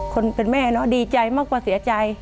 คนเป็นแม่เนอะดีใจมากกว่าเสียใจ